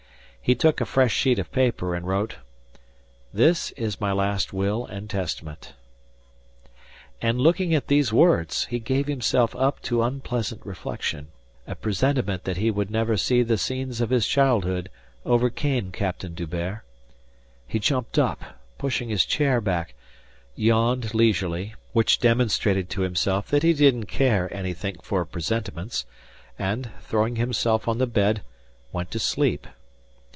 He took a fresh sheet of paper and wrote: "This is my last will and testament." And, looking at these words, he gave himself up to unpleasant reflection; a presentiment that he would never see the scenes of his childhood overcame Captain D'Hubert. He jumped up, pushing his chair back, yawned leisurely, which demonstrated to himself that he didn't care anything for presentiments, and, throwing himself on the bed, went to sleep.